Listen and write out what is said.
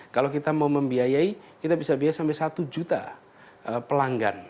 kalau kita mau membiayai kita bisa biaya sampai satu juta pelanggan